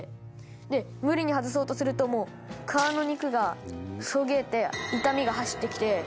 で無理に外そうとするともう顔の肉がそげて痛みが走ってきて。